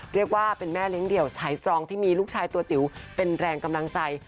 เรียกว่าเป็นแม่เลี้ยงเดี่ยวสายสตรองที่มีลูกชายตัวจิ๋วเป็นแรงกำลังใจ